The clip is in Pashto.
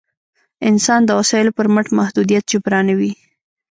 انسان د وسایلو پر مټ محدودیت جبرانوي.